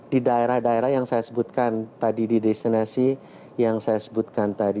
di daerah daerah yang saya sebutkan tadi di destinasi yang saya sebutkan tadi